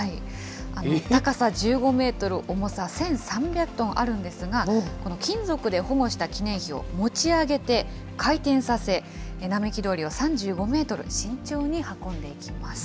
高さ１５メートル、重さ１３００トンあるんですが、この金属で保護した記念碑を持ち上げて回転させ、並木通りを３５メートル、慎重に運んでいきます。